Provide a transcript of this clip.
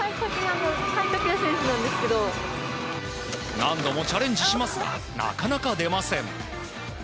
何度もチャレンジしますがなかなか出ません。